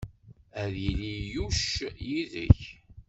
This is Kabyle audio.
Ad yili Yuc yid-k.